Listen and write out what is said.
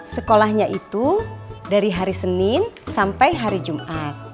sekolahnya itu dari hari senin sampai hari jumat